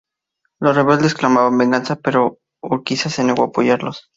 Los rebeldes clamaban venganza, pero Urquiza se negó a apoyarlos.